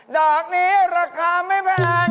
ดอกนี้ราคาไม่แพง